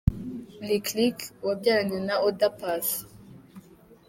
Lick Lick wabyaranye na Oda Paccy.